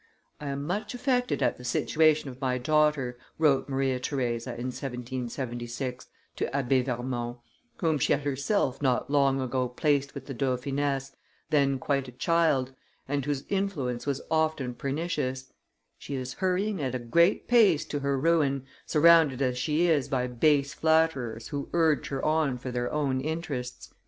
"I am much affected at the situation of my daughter," wrote Maria Theresa, in 1776, to Abbe Vermond, whom she had herself not long ago placed with the dauphiness, then quite a child, and whose influence was often pernicious: "she is hurrying at a great pace to her ruin, surrounded as she is by base flatterers who urge her on for their own interests."